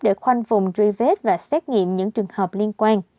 để khoanh vùng truy vết và xét nghiệm những trường hợp liên quan